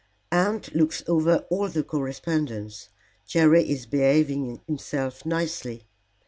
"Aunt looks over all the correspondence. Jerry is behaving himself nicely."